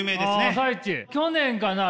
去年かな？